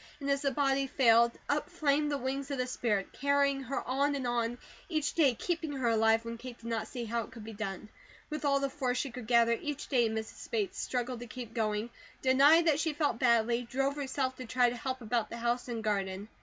And as the body failed, up flamed the wings of the spirit, carrying her on and on, each day keeping her alive, when Kate did not see how it could be done. With all the force she could gather, each day Mrs. Bates struggled to keep going, denied that she felt badly, drove herself to try to help about the house and garden.